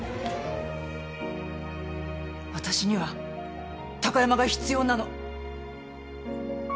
私には貴山が必要なの。